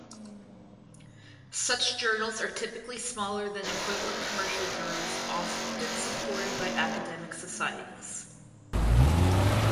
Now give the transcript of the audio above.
Such journals are typically smaller than equivalent commercial journals (often supported by academic societies).